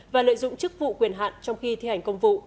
và lợi dụng chức vụ quyền hạn trong khi thi hành công vụ